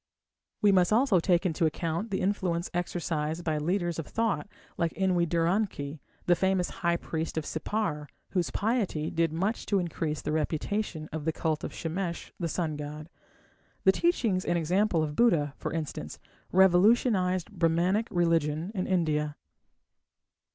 We must also take into account the influence exercised by leaders of thought like En we dur an ki, the famous high priest of Sippar, whose piety did much to increase the reputation of the cult of Shamesh, the sun god. The teachings and example of Buddha, for instance, revolutionized Brahmanic religion in India.